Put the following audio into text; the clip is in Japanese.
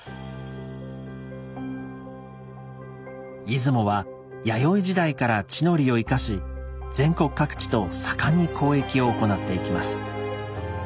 出雲は弥生時代から地の利を生かし全国各地と盛んに交易を行っていきます。